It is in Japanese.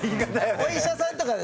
お医者さんとか。